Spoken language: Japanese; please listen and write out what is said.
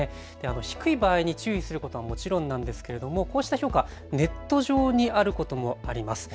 低い場合に注意することはもちろんなんですけれどもこうした評価、ネット上にあることもあります。